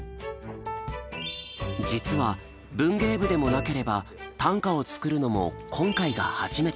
実は文芸部でもなければ短歌を作るのも今回が初めて。